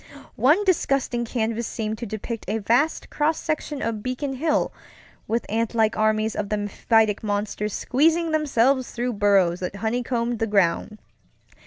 One disgusting canvas seemed to depict a vast cross section of Beacon Hill, with antlike armies of the mephitic monsters squeezing themselves through burrows that honeycombed the ground.